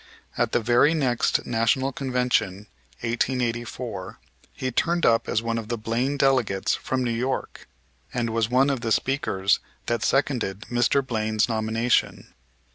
At the very next National Convention (1884) he turned up as one of the Blaine delegates from New York, and was one of the speakers that seconded Mr. Blaine's nomination.